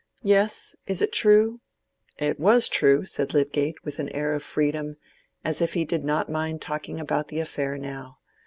"Yes; is it true?" "It was true," said Lydgate, with an air of freedom, as if he did not mind talking about the affair now.